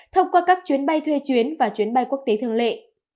thông qua các chuyến bay thuê chuyến và chuyến bay quốc tế thường lệ